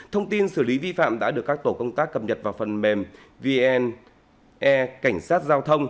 thông tin xử lý vi phạm đã được các tổ công tác cập nhật vào phần mềm vne